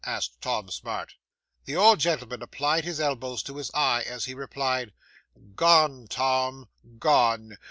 asked Tom Smart 'The old gentleman applied his elbow to his eye as he replied, "Gone, Tom, gone.